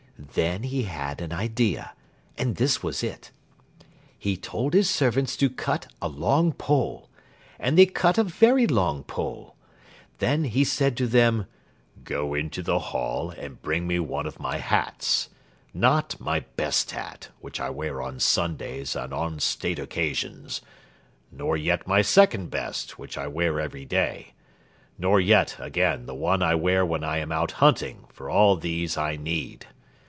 Then he had an idea, and this was it: He told his servants to cut a long pole. And they cut a very long pole. Then he said to them, "Go into the hall and bring me one of my hats. Not my best hat, which I wear on Sundays and on State occasions; nor yet my second best, which I wear every day; nor yet, again, the one I wear when I am out hunting, for all these I need.